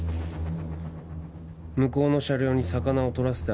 向こうの車両に魚をとらせてあげて